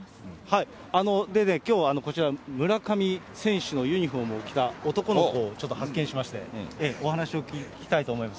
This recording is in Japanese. きょう、こちら、村上選手のユニホームを着た男の子をちょっと発見しまして、お話を聞きたいと思います。